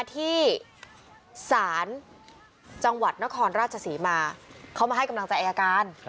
ที่ศาลจังหวัดนครราชศรีมาเขามาให้กำลังใจอายการ